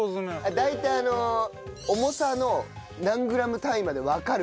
大体の重さの何グラム単位までわかる。